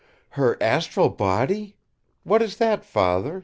"Her 'astral body'? What is that, Father?